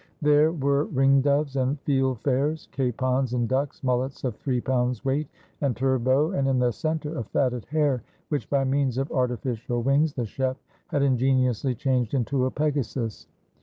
There were ringdoves and field fares, capons and ducks, mullets of three pounds weight, and turbot, and, in the center, a fatted hare, which, by means of arti ficial wings, the chef had ingeniously changed into a Pegasus.